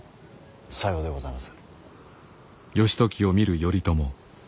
さようでございます。